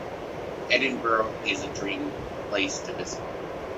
Edinburgh is a dream place to visit.